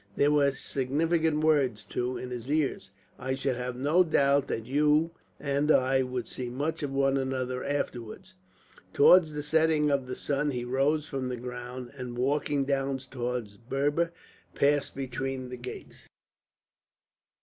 There were significant words too in his ears, "I should have no doubt that you and I would see much of one another afterwards." Towards the setting of the sun he rose from the ground, and walking down towards Berber, passed between the gates.